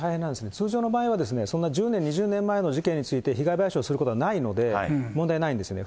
通常の場合はそんな１０年、２０年前の事件について被害賠償することはないので、問題ないんですよね。